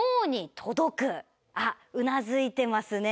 うなずいてますね